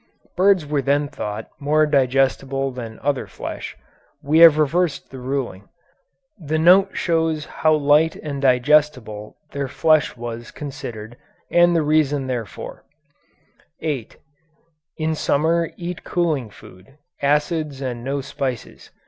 (Birds were then thought more digestible than other flesh; we have reversed the ruling. The note shows how light and digestible their flesh was considered and the reason therefor.) 8. In summer eat cooling food, acids, and no spices.